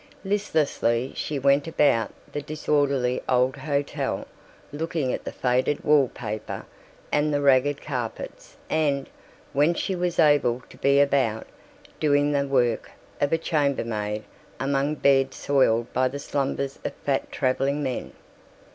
Listlessly she went about the disorderly old hotel looking at the faded wall paper and the ragged carpets and, when she was able to be about, doing the work of a chambermaid among beds soiled by the slumbers of fat traveling men.